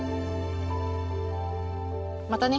またね